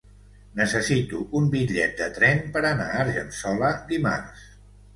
Necessito un bitllet de tren per anar a Argençola dimarts.